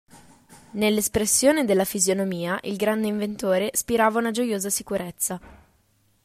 Nella espressione della fisionomia il grande inventore spirava una gioiosa sicurezza.